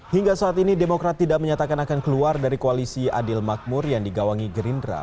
hingga saat ini demokrat tidak menyatakan akan keluar dari koalisi adil makmur yang digawangi gerindra